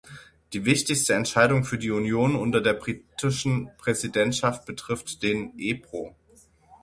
Die wichtigste Entscheidung für die Union unter der britischen Präsidentschaft betrifft den Ebro.